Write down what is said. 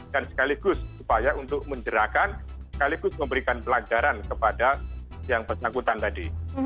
dan sekaligus upaya untuk menjerahkan sekaligus memberikan pelajaran kepada yang persangkutan tadi